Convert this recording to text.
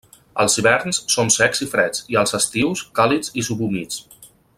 Els hiverns són secs i freds i els estius càlids i subhumits.